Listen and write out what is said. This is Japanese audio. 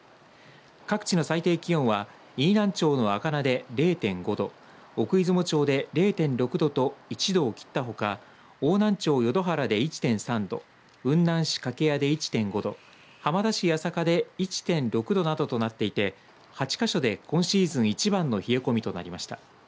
各地の最低気温は飯南町の赤名で０．５度奥出雲町で０．６度と１度を切ったほか邑南町淀原で１．３度雲南市掛合で１．５度浜田市弥栄で１．６度などとなっていて８か所で今シーズン一番の冷え込みとなりました。